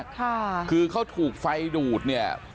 คัมอัตคัสคือเขาถูกไฟดูดเนี่ย